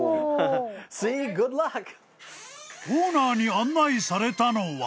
［オーナーに案内されたのは］